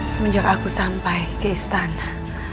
semenjak aku sampai ke istana